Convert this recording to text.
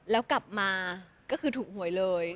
แล้วกลับมาก็คือถูกหวยเลย